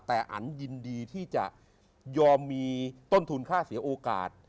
แต่อันยินดีที่จะยอมมีต้นทุนค่าเสียโอกาส